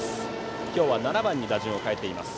今日は７番に打順を変えています。